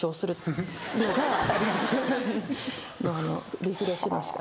自分のリフレッシュのしかた。